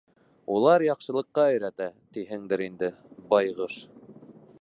Улар яҡшылыҡҡа өйрәтә, тиһеңдер инде, байғош.